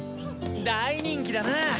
大人気だな。